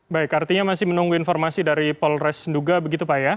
baik artinya masih menunggu informasi dari polres nduga begitu pak ya